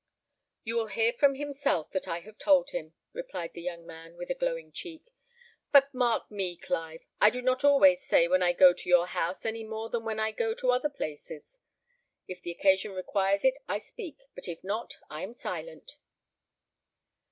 "You will hear from himself that I have told him," replied the young man, with a glowing cheek; "but mark me, Clive, I do not always say when I go to your house any more than when I go to other places. If the occasion requires it I speak; but if not, I am silent."